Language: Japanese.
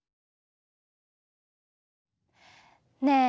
ねえ！